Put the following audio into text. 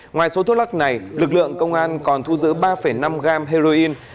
ngoài số thuốc lắc này lực lượng công an còn thu giữ ba năm gram heroin